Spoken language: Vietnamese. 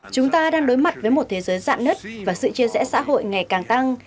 chúng ta đang đối mặt với một thế giới dạn nứt và sự chia rẽ xã hội ngày càng tăng